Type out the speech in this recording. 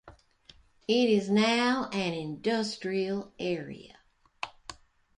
It is now an industrial area.